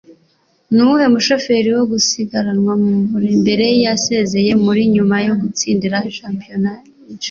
Nuwuhe mushoferi wo gusiganwa wa Formula ya mbere yasezeye muri Nyuma yo Gutsindira Shampiyona inshuro ?